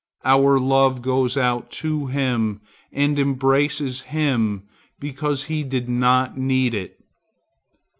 Our love goes out to him and embraces him because he did not need it.